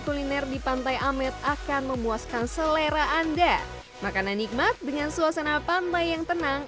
kuliner di pantai amet akan memuaskan selera anda makanan nikmat dengan suasana pantai yang tenang